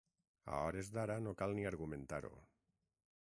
A hores d’ara no cal ni argumentar-ho.